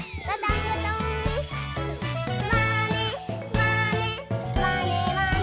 「まねまねまねまね」